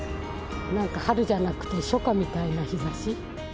なんか春じゃなくて、初夏みたいな日ざし。